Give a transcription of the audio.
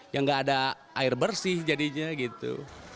ya nggak ada air bersih jadinya gitu